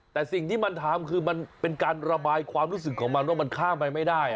แต่สิ่งที่มันทำคือมันเป็นการระบายความรู้สึกของมันว่ามันข้ามไปไม่ได้